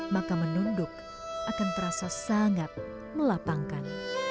maka menunduk akan terasa sangat melapangkan